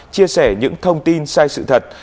chia sẻ những thông tin sai sự thật